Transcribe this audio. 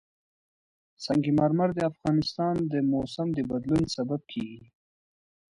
سنگ مرمر د افغانستان د موسم د بدلون سبب کېږي.